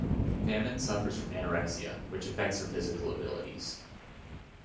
Famine suffers from anorexia, which affects her physical abilities.